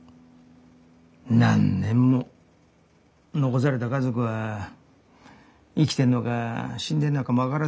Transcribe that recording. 何年も残された家族は生きてんのか死んでんのかも分からずね。